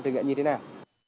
thực hiện như thế nào